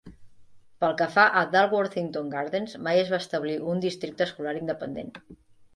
Pel que fa a Dalworthington Gardens, mai es va establir un Districte Escolar Independent.